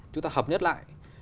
chúng ta hợp nhất lại